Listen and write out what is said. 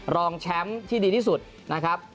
รองแชมป์ที่ดีที่สุดนะครับ